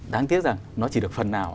đáng tiếc là nó chỉ được phần nào